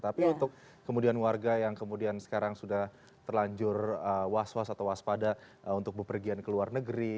tapi untuk kemudian warga yang kemudian sekarang sudah terlanjur was was atau waspada untuk bepergian ke luar negeri